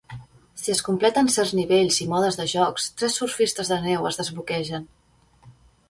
Si es completen certs nivells i modes de jocs, tres surfistes de neu es desbloquegen.